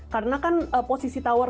karena kan posisi tawar